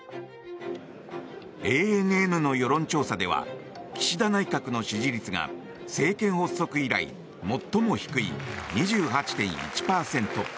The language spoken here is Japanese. ＡＮＮの世論調査では岸田内閣の支持率が政権発足以来最も低い２８．１％。